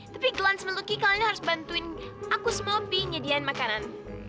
tapi glance dan lucky kalian harus bantuin aku sama opi nyediain makanan